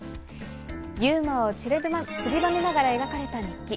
ユーモアをちりばめながら描かれた日記。